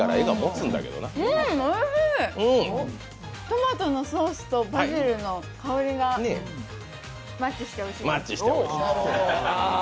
トマトのソースとバジルの香りがマッチして、おいしい。